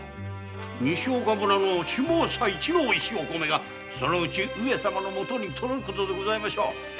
西岡村の下総一のおいしいお米がそのうち上様のもとに届くことでございましょう。